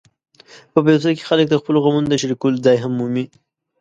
په فېسبوک کې خلک د خپلو غمونو د شریکولو ځای هم مومي